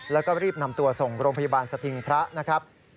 แล้วก็รีบนำตัวส่งโรงพยาบาลสถิงพระนะครับ